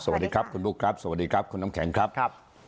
สวัสดีครับคุณบุ๊คครับสวัสดีครับคุณน้ำแข็งครับ